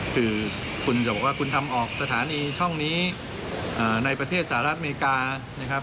คือคุณจะบอกว่าคุณทำออกสถานีช่องนี้ในประเทศสหรัฐอเมริกานะครับ